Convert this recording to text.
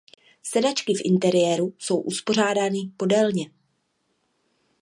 Sedačky v interiéru jsou uspořádány podélně.